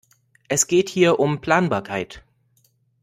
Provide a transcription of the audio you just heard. Es geht hier um Planbarkeit.